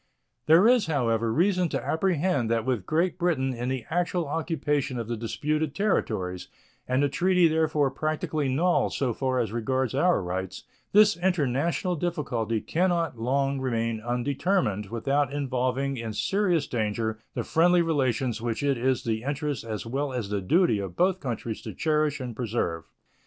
There is, however, reason to apprehend that with Great Britain in the actual occupation of the disputed territories, and the treaty therefore practically null so far as regards our rights, this international difficulty can not long remain undetermined without involving in serious danger the friendly relations which it is the interest as well as the duty of both countries to cherish and preserve.